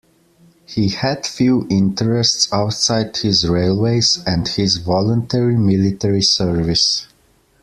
He had few interests outside his railways and his voluntary military service.